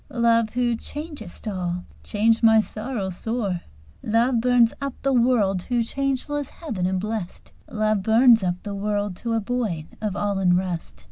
"Love, who changest all, change my sorrow sore!" Love burns up the world to changeless heaven and blest, "Love burns up the world to a void of all unrest."